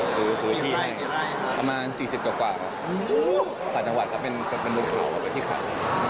ซื้อที่ให้ค่ะประมาณ๔๐กว่าครับสถานจังหวัดก็เป็นหลุดข่าวแบบที่ขาด